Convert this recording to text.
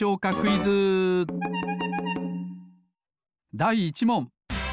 だい１もん！